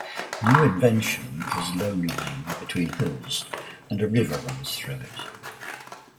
New Invention is low-lying between hills and a river runs through it.